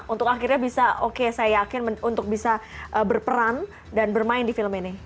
untuk akhirnya bisa oke saya yakin untuk bisa berperan dan bermain di film ini